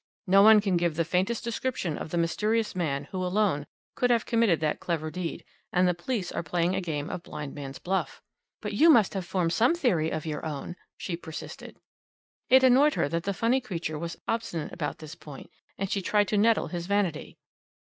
No one can give the faintest description of the mysterious man who alone could have committed that clever deed, and the police are playing a game of blind man's buff." "But you must have formed some theory of your own," she persisted. It annoyed her that the funny creature was obstinate about this point, and she tried to nettle his vanity.